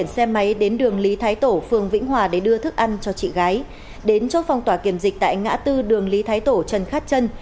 sau phong tỏa kiểm dịch tại ngã tư đường lý thái tổ trần khát trân